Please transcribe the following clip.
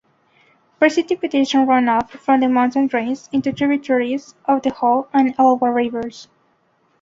Precipitation runoff from the mountain drains into tributaries of the Hoh and Elwha Rivers.